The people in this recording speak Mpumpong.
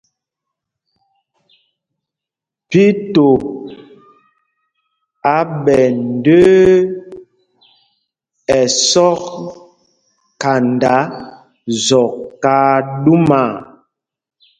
Mpito á ɓɛ ndə̄ə̄ ɛsɔk khanda zɔk aa ɗúmaa.